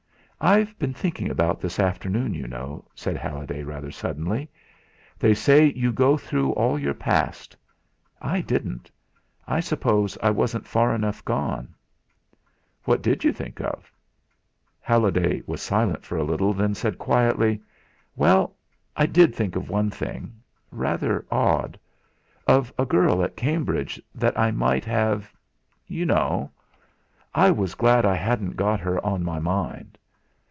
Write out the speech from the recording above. "I've been thinking about this afternoon, you know," said Halliday rather suddenly. "They say you go through all your past. I didn't. I suppose I wasn't far enough gone." "What did you think of?" Halliday was silent for a little, then said quietly "Well, I did think of one thing rather odd of a girl at Cambridge that I might have you know; I was glad I hadn't got her on my mind.